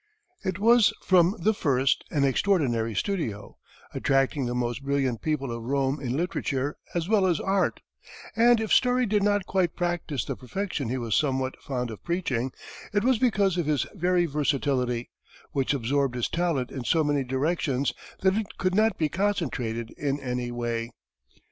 It was from the first an extraordinary studio, attracting the most brilliant people of Rome in literature as well as art; and if Story did not quite practise the perfection he was somewhat fond of preaching, it was because of his very versatility, which absorbed his talent in so many directions that it could not be concentrated in any.